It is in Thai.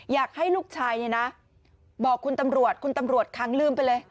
อยากให้ลูกชายเนี่ยนะบอกคุณตำรวจคุณตำรวจค้างลืมไปเลย